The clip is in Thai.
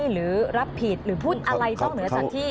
หรือรับผิดหรือพูดอะไรนอกเหนือจากที่